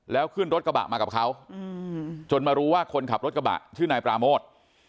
แล้วขึ้นรถกระบะมากับเขาจนมารู้ว่าคนขับรถกระบะชื่อนายปราโมท